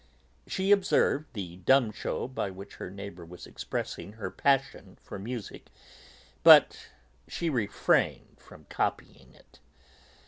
She observed the dumb show by which her neighbour was expressing her passion for music, but she refrained from copying it.